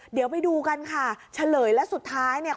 เดี๋ยวไปดูกันค่ะเฉลยและสุดท้ายเนี่ย